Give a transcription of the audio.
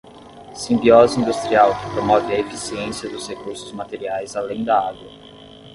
Simbiose industrial que promove a eficiência dos recursos materiais além da água.